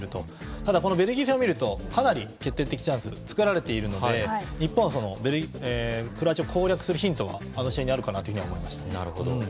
ただ、このベルギー戦を見るとかなり決定的チャンス作られているので日本はクロアチアを攻略するヒントはあの試合にあるかなと思いました。